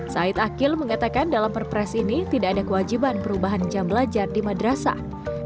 said akil mengatakan dalam perpres ini tidak ada kewajiban perubahan jam belajar di madrasah